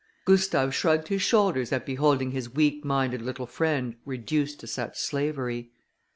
Gustave shrugged his shoulders at beholding his weak minded little friend reduced to such slavery.